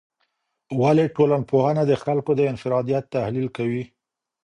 ولي ټولنپوهنه د خلګو د انفرادیت تحلیل کوي؟